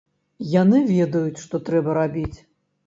Яны ведаюць, што трэба рабіць.